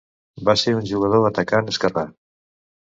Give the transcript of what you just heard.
Va ser un jugador atacant esquerrà.